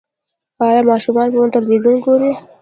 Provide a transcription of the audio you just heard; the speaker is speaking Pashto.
ایا ماشومان مو تلویزیون ګوري؟